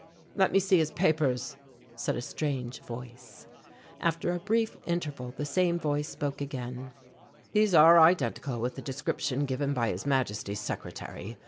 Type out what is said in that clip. "Let me see his papers," said a strange voice. After a brief interval the same voice spoke again "These are identical with the description given by His Majesty's secretary.